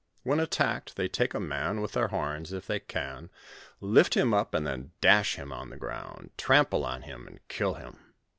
When attacked, they take a man with their horns, if they can, lift him up, and then dash him on the ground, trample on him, and kill him.